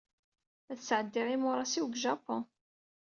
Ad sɛeddiɣ imuṛas-iw deg Japun.